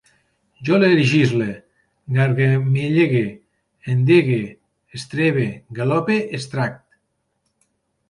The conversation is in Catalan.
Jo legisle, gargamellege, endegue, estrebe, galope, extrac